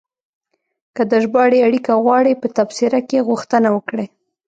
که د ژباړې اړیکه غواړئ، په تبصره کې غوښتنه وکړئ.